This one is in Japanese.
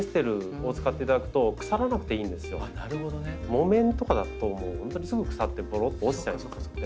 木綿とかだともう本当にすぐ腐ってぼろっと落ちちゃいますんで。